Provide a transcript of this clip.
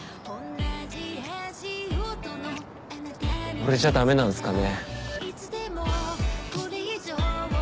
俺じゃダメなんすかね。